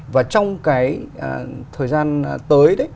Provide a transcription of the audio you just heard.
và trong cái thời gian tới